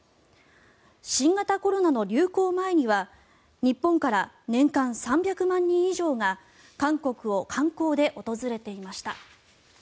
新型コロナの流行前には日本から年間３００万人以上が韓国を観光で訪れていました。